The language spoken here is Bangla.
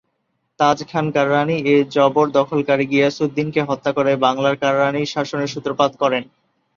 তাজখান কররানী এ জবরদখলকারী গিয়াসউদ্দীনকে হত্যা করে বাংলায় কররানী শাসনের সুত্রপাত করেন।